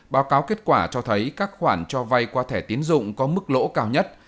báo cáo kết quả cho thấy các khoản cho vay qua thẻ tiến dụng có mức lỗ cao nhất